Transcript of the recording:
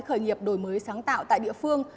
khởi nghiệp đổi mới sáng tạo tại địa phương